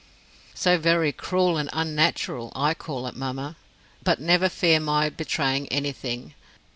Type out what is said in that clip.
"So very cruel and unnatural, I call it, mamma. But never fear my betraying anything.